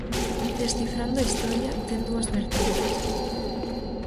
"Descifrando a Historia" ten dúas vertentes.